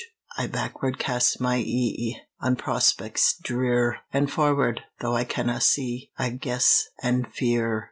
I backward cast my e'e On prospects drear! An' forward, though I canna see, I guess an' fear!